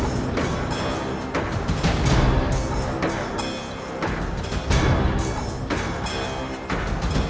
jangan lupa untuk menerima penulisan